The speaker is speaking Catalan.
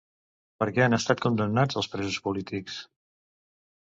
Per què han estat condemnats els presos polítics?